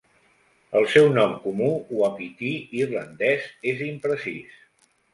El seu nom comú uapití irlandès és imprecís.